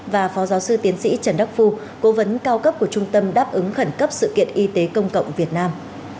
và phó giáo sư tiến sĩ trần đắc phu cố vấn cao cấp của trung tâm đáp ứng khẩn cấp sự kiện y tế công cộng việt nam